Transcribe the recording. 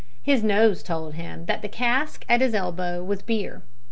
His nose told him that the cask at his elbow was beer.